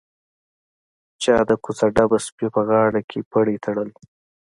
چا د کوڅه ډبه سپي په غاړه کښې پړى تړلى.